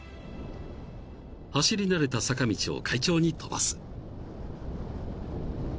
［走り慣れた坂道を快調に飛ばす］